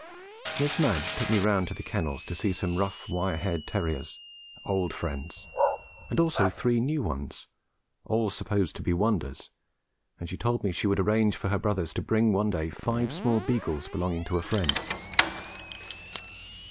Miss Madge took me round to the kennels to see some rough wire haired terriers, old friends; also three new ones, all supposed to be wonders; and she told me she would arrange for her brothers to bring one day five small beagles belonging to a friend.